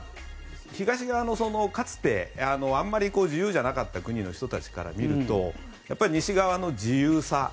東側の、かつてあまり自由じゃなかった国の人たちから見るとやっぱり西側の自由さ。